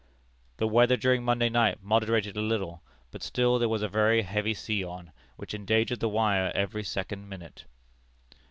"The weather during Monday night moderated a little, but still there was a very heavy sea on, which endangered the wire every second minute.